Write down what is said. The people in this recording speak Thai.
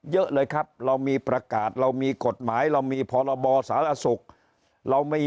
เยอะเลยครับเรามีประกาศเรามีกฎหมายเรามีพรบสารสุขเรามี